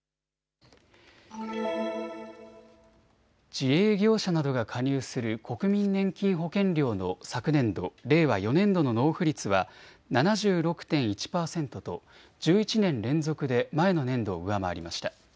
自営業者などが加入する国民年金保険料の昨年度・令和４年度の納付率は７６．１％と１１年連続で前の年度を上回りました。